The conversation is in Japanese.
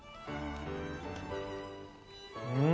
うん！